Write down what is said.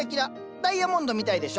ダイヤモンドみたいでしょ。